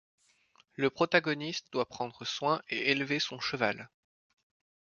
Le protagoniste doit prendre soin et élever son cheval.